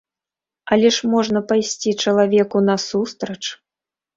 Але ж можна пайсці чалавеку насустрач?